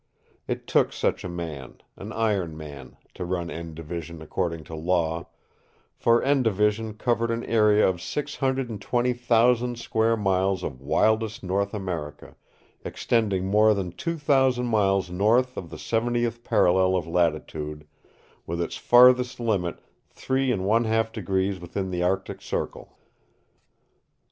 It took such a man, an iron man, to run N Division according to law, for N Division covered an area of six hundred and twenty thousand square miles of wildest North America, extending more than two thousand miles north of the 70th parallel of latitude, with its farthest limit three and one half degrees within the Arctic Circle.